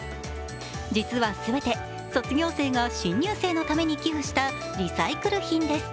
実は全て卒業生が新入生のために寄附したリサイクル品です。